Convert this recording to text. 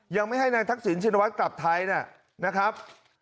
ยังไม่ให้นายทักษิณชินวัฒน์กลับไทยนะครับ